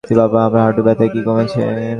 বাবা, আপনার হাঁটুর ব্যথা কি কমেছে?